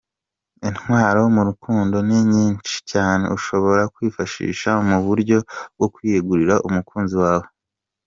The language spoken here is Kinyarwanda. Intwaro mu rukundo ni nyinshi cyane ushobora kwifashisha mu buryo bwo kwiyegurira umukunzi wawe.